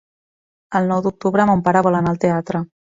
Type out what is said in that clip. El nou d'octubre mon pare vol anar al teatre.